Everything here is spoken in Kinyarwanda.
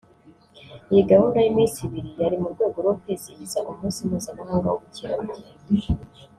Iyi gahunda y’iminsi ibiri yari mu rwego rwo kwizihiza umunsi mpuzamahanga w’ubukerarugendo